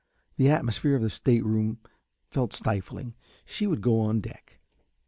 The atmosphere of the state room felt stifling, she would go on deck.